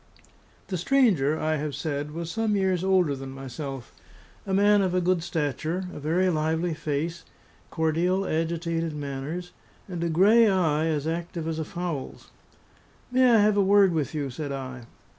The stranger, I have said, was some years older than myself: a man of a good stature, a very lively face, cordial, agitated manners, and a gray eye as active as a fowl's. "May I have a word with you?" said I.